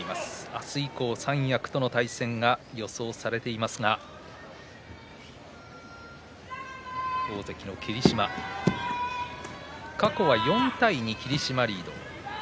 明日以降は三役との対戦が予想されていますが大関の霧島過去は４対２で霧島がリード。